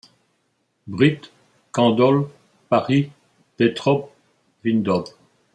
Brit., Candoll., Paris., Petrop., Vindob.